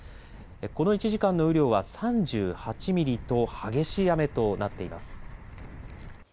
この１時間の雨量は３８ミリと激しい雨となっています。